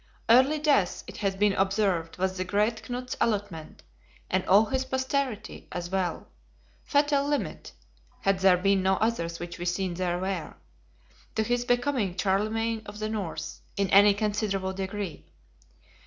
Early death, it has been observed, was the Great Knut's allotment, and all his posterity's as well; fatal limit (had there been no others, which we see there were) to his becoming "Charlemagne of the North" in any considerable degree!